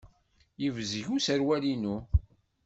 Yebzeg userwal-inu.